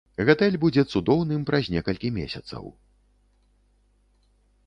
Гатэль будзе цудоўным праз некалькі месяцаў.